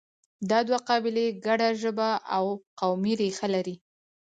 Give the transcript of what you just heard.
دا دوه قبیلې ګډه ژبه او قومي ریښه لري